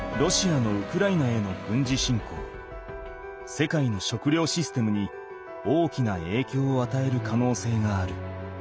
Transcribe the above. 世界の食料システムに大きなえいきょうをあたえるかのうせいがある。